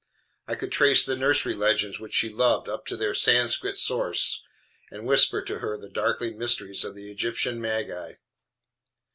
I could trace the nursery legends which she loved up to their Sanscrit source, and whisper to her the darkling mysteries of the Egyptian Magi.